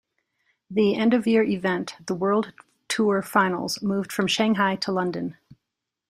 The end-of-year event, the World Tour Finals, moved from Shanghai to London.